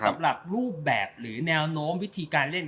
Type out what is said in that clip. สำหรับรูปแบบหรือแนวโน้มวิธีการเล่น